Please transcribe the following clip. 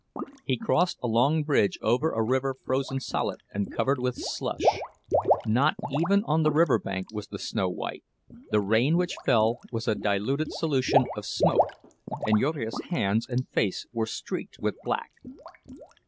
He crossed a long bridge over a river frozen solid and covered with slush. Not even on the river bank was the snow white—the rain which fell was a diluted solution of smoke, and Jurgis' hands and face were streaked with black.